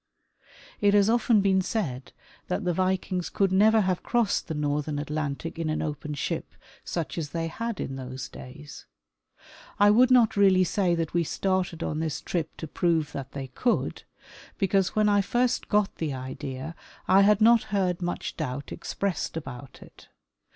It has often been said that the Vikings could never have crossed the northern Atlantic in an open ship such as they had in those days. I Avould not really say that we started on this trip to prove that they could, because when I first got the idea I had not heard much doubt expressed about it.